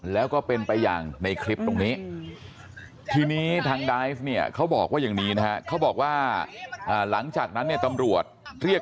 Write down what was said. แล้วก็เป็นแปอย่างในคลิปตรงนี้